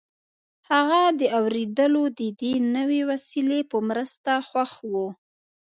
هغه د اورېدلو د دې نوې وسیلې په مرسته خوښ و